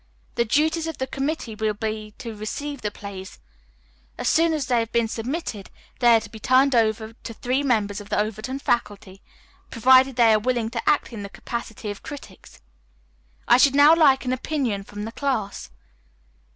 The duties of the committee will be to receive the plays. As soon as they have been submitted they are to be turned over to three members of the Overton faculty, provided they are willing to act in the capacity of critics. I should now like an opinion from the class."